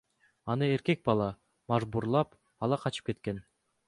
Аны эркек бала мажбурлап ала качып кеткен.